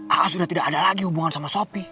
aa sudah tidak ada lagi hubungan sama sopi